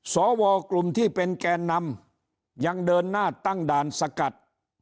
สวกลุ่มที่เป็นแกนนำยังเดินหน้าตั้งด่านสกัด